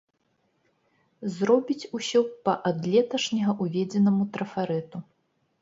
Зробіць усё па ад леташняга ўведзенаму трафарэту.